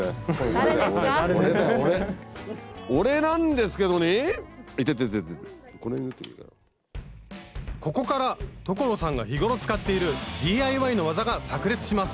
ここから所さんが日頃使っているＤＩＹの技がさく裂します